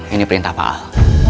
ini perintah paal